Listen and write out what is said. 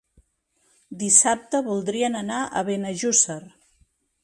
Dissabte voldrien anar a Benejússer.